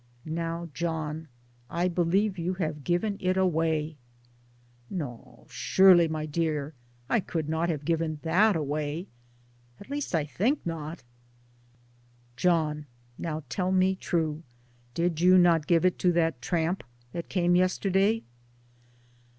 " Now, John, I believe you have given it away !" "No, surely, my dear, I could 1 not have given that away at least I think not." "' John I now tell me true, did you not give it to that tramp that came yesterday?